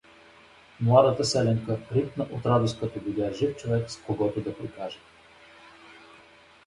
Младата селянка рипна от радост, като видя жив човек, с когото да прикаже.